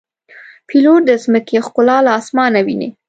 پیلوټ د ځمکې ښکلا له آسمانه ویني.